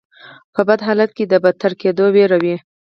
په بد حالت کې د بدتر کیدو ویره وي.